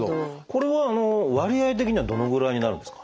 これは割合的にはどのぐらいになるんですか？